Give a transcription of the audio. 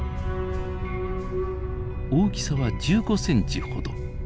大きさは１５ｃｍほど。